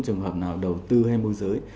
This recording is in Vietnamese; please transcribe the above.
trường hợp nào đầu tư hay môi giới